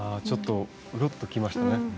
ちょっとうるっときましたね。